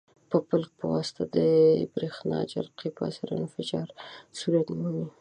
په پلک په واسطه د برېښنا جرقې په اثر انفجار صورت مومي.